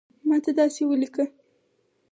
ماته داسی اولیکه